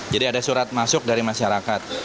jadi ada surat masuk dari masyarakat